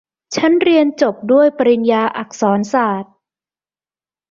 ฉันเรียนจบด้วยปริญญาอักษรศาสตร์